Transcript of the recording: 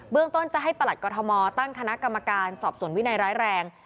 เรื่องต้นจะให้ประหลัดกรทมตั้งคณะกรรมการสอบส่วนวินัยร้ายแรง